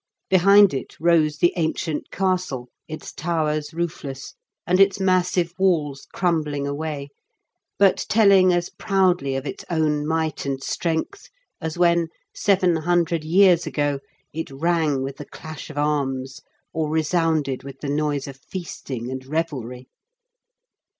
Behind it rose the ancient castle, its towers roofless, and its massive walls crumbling away, but telling as proudly of its own might and strength as when, seven hundred years ago, it rang with the clash of arms, or resounded with the noise of feasting and revelry.